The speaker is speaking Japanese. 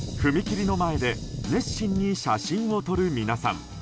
踏切の前で熱心に写真を撮る皆さん。